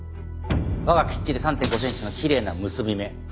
輪がきっちり３．５センチのきれいな結び目。